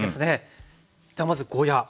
ではまずゴーヤー。